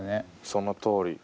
そのとおり。